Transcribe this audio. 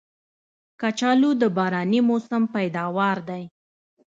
کچالو د باراني موسم پیداوار دی